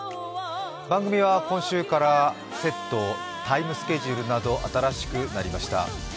番組は今週からセット、タイムスケジュールなど新しくなりました。